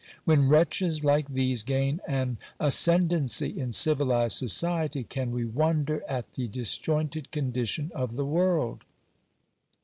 When wretches like these gain an ascendancy in civilized society, can we wonder at the disjointed condition of the world